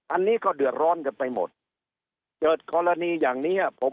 อันนี้ก็เดือดร้อนกันไปหมดเกิดกรณีอย่างนี้ผม